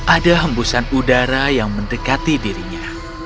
ada hembusan udara yang mendekati dirinya